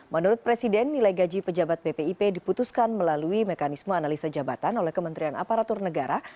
menurut presiden nilai gaji pejabat bpip diputuskan melalui mekanisme analisa jabatan oleh kementerian aparatur negara